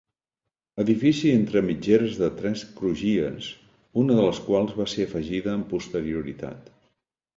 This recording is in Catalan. Edifici entre mitgeres de tres crugies, una de les quals va ser afegida amb posterioritat.